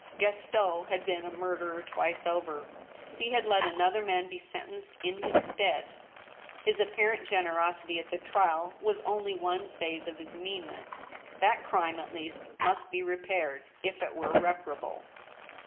Gaston had been a murderer twice over. He had let another man be sentenced in his stead. His apparent generosity at the trial was only one phase of his meanness. That crime, at least, must be repaired, if it were reparable.